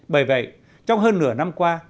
bởi vậy trong hơn nửa năm qua